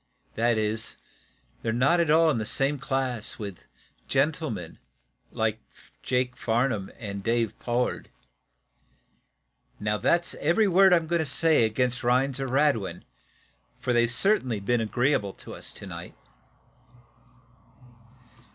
That is, they're not at all in the same class with gentlemen like Jake Farnum and Dave Pollard. Now, that's every word I'm going to say against Rhinds or Radwin, for they've certainly been agreeable to us to night."